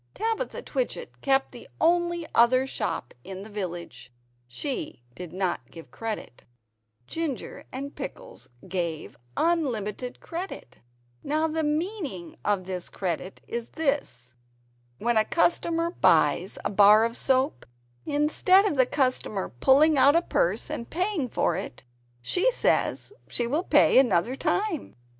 (Tabitha Twitchit kept the only other shop in the village. She did not give credit.) But there is no money in what is called the "till." Ginger and Pickles gave unlimited credit. Now the meaning of "credit" is this when a customer buys a bar of soap, instead of the customer pulling out a purse and paying for it she says she will pay another time.